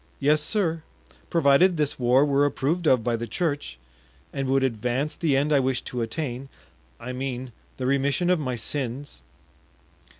"Yes, sir, provided this war were approved of by the church and would advance the end I wish to attain—I mean, the remission of my sins."